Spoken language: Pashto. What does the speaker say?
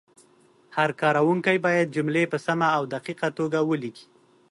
هر کارونکی باید جملې په سمه او دقیقه توګه ولیکي.